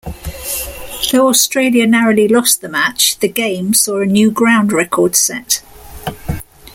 Though Australia narrowly lost the match, the game saw a new ground record set.